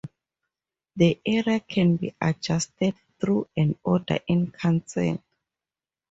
The area can be adjusted through an Order in Council.